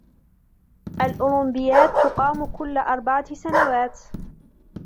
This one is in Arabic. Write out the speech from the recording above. الاولمبيات تقام كل اربعة سنوات.